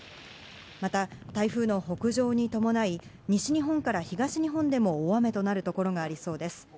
また台風の北上に伴い、西日本から東日本でも大雨となる所がありそうです。